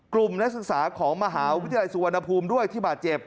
นักศึกษาของมหาวิทยาลัยสุวรรณภูมิด้วยที่บาดเจ็บ